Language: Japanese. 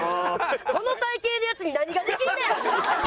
この体形のヤツに何ができんねん！